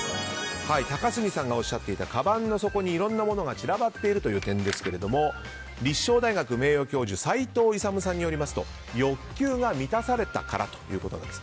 高杉さんがおっしゃっていたかばんの底にいろんなものが散らばっているという点ですけども立正大学名誉教授齊藤勇さんによりますと欲求が満たされたということです。